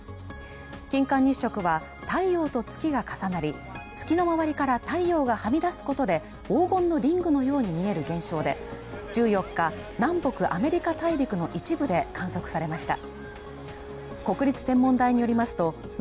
金環日食は、太陽と月が重なり月の周りから太陽がはみ出すことで黄金のリングのように見える現象で１４日、南北アメリカ大陸の一部で観測されました。